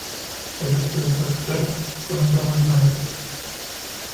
El resto del cuerpo es verde, con un tono oliva en el pecho.